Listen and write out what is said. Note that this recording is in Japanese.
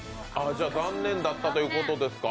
じゃあ残念だったということですか？